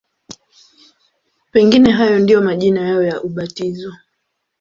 Pengine hayo ndiyo majina yao ya ubatizo.